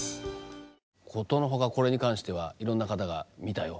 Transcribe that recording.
ことのほかこれに関してはいろんな方が「見たよ！